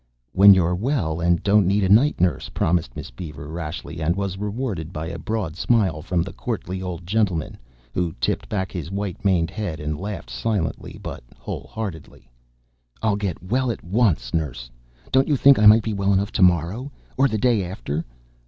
"When you're well and don't need a night nurse," promised Miss Beaver rashly and was rewarded by a broad smile from the courtly old gentleman who tipped back his white maned head and laughed silently but whole heartedly. "I'll get well at once, nurse. Don't you think I might be well enough tomorrow? Or the day after?